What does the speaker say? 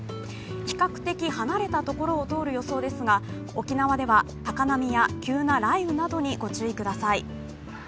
比較的離れたところを通る予想ですが沖縄では高波や急な雷雨などにご注意ください。